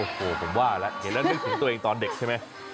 โอ้โหผมว่าแล้วเห็นแล้วนึกถึงตัวเองตอนเด็กใช่ไหม